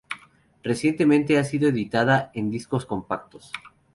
Recientemente ha sido editada en discos compactos.